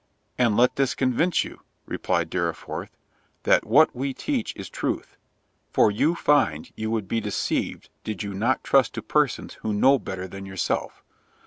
"And let this convince you," replied Dorriforth, "that what we teach is truth; for you find you would be deceived did you not trust to persons who know better than yourself.